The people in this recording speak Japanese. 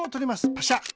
パシャ。